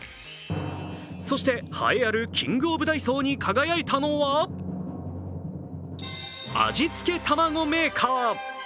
そして栄えあるキング・オブ・ダイソーに輝いたのは味付けたまごメーカー。